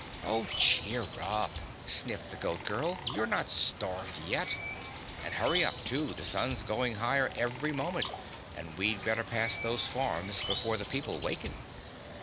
"Oh cheer up," sniffed the Goat Girl, "you're not starved yet. And hurry up, too, the sun's going higher every moment and we'd better pass those farms before the people waken."